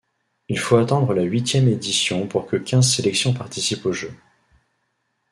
Il faut attendre la huitième édition pour que quinze sélections participent aux Jeux.